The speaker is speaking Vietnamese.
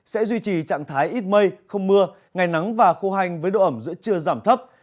sẽ duy trì trạng thái ít mây không mưa ngày nắng và khô hành với độ ẩm giữa trưa giảm thấp